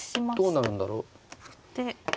どうなるんだろう。